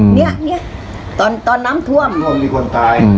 เนี่ยตอนน้ำท่วมตอนน้ำท่วมมีคนตาย